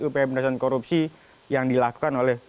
upaya pemberantasan korupsi yang dilakukan oleh